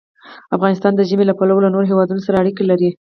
افغانستان د ژبې له پلوه له نورو هېوادونو سره اړیکې لري.